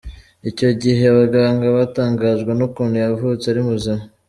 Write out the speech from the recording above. Icyo gihe abaganga batangajwe n’ukuntu yavutse ari muzima.